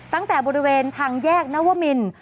ตั้งแต่บริเวณทางแยกนวมิน